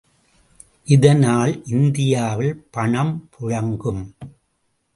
இதனால் இந்தியாவில் பணம் புழங்கும்.